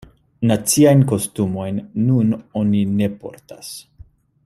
Naciajn kostumojn nun oni ne portas.